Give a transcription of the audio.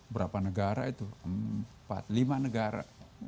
berapa negara itu empat lima negara